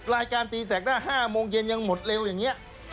รายการตีแสกหน้า๕โมงเย็นยังหมดเร็วอย่างนี้